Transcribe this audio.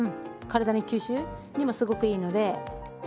体に吸収にもすごくいいので。